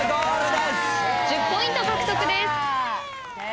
１０ポイント獲得です。